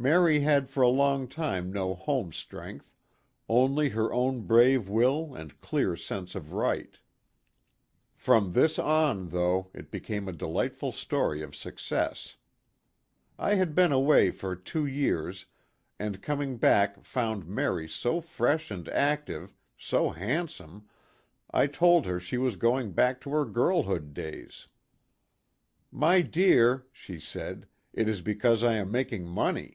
Mary had for a long time no home strength only her own brave will and clear sense of right. From this on, though, it became a delightful story of success. I had been away for two years, and coming back found Mary so fresh and active, so handsome, I told her she was going back to her girlhood days. 86 PLAY AND WORK. "My dear," she said, "it is because I am making money."